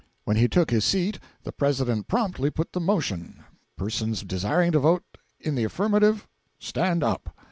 When he took his seat the President promptly put the motion persons desiring to vote in the affirmative, stand up!